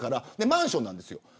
マンションなんですよ。